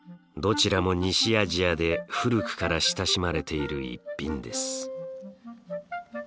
どちらも西アジアで古くから親しまれている逸品です。